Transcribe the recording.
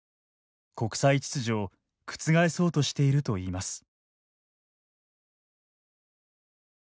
国際秩序を覆そうとしていると言います。